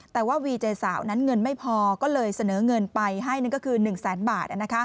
แต่ว่าวีเจสาวนั้นเงินไม่พอก็เลยเสนอเงินไปให้นั่นก็คือ๑แสนบาท